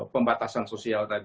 pembatasan sosial tadi